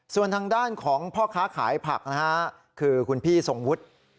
ส่วนทางด้านของพ่อค้าขายผักนะฮะคือคุณพี่ทรงวุฒิ